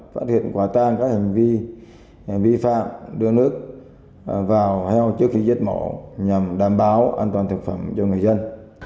phát hiện quả tang các hành vi vi phạm đưa nước vào heo trước khi giết mổ nhằm đảm bảo an toàn thực phẩm cho người dân